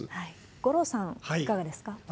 五郎さん、いかがですか。